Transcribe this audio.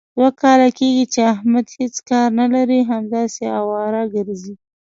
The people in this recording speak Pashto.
دوه کاله کېږي، چې احمد هېڅ کار نه لري. همداسې اواره ګرځي.